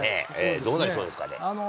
どうなりそうですかね。